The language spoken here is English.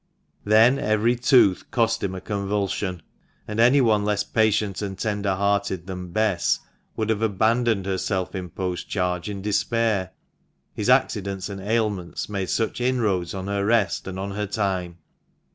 Then every tooth cost him a convulsion, and any one less patient and tender hearted than Bess would have abandoned her self imposed charge in despair, his accidents and ailments made such inroads on her rest and on her time.